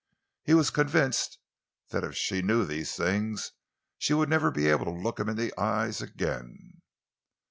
He was convinced that if she knew these things she would never be able to look him in the eyes again.